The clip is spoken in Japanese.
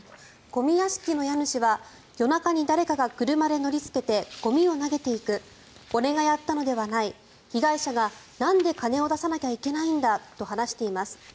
ゴミ屋敷の家主は夜中に誰かが車で乗りつけてゴミを投げていく俺がやったのではない被害者がなんで金を出さなきゃいけないんだと話しています。